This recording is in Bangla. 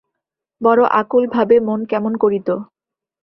বড় আকুলভাবে মন কেমন করিত।